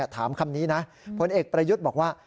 ถามคำนี้นะผลเอกประยุทธ์บอกว่า